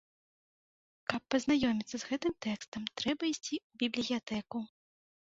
Каб пазнаёміцца з гэтым тэкстам, трэба ісці ў бібліятэку.